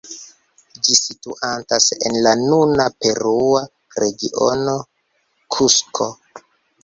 Ĝi situantas en la nuna perua regiono Kusko.